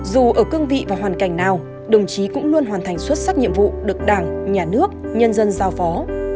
dù ở cương vị và hoàn cảnh nào đồng chí cũng luôn hoàn thành xuất sắc nhiệm vụ được đảng nhà nước nhân dân giao phó